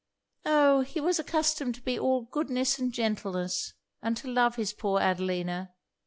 Oh! he was accustomed to be all goodness and gentleness, and to love his poor Adelina.